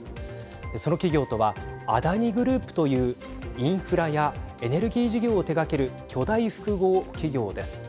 その企業とはアダニ・グループというインフラやエネルギー事業を手がける巨大複合企業です。